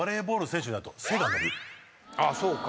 あっそうか。